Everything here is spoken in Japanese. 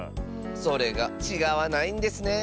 それがちがわないんですね。